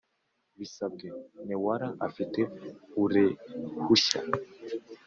Bisabwe n'ewara afite urehushya